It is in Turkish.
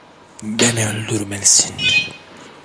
Beni öldürmelisin.